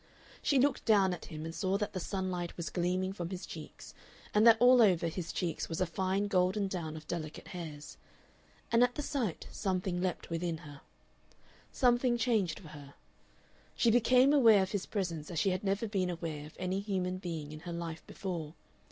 She looked down at him and saw that the sunlight was gleaming from his cheeks, and that all over his cheeks was a fine golden down of delicate hairs. And at the sight something leaped within her. Something changed for her. She became aware of his presence as she had never been aware of any human being in her life before.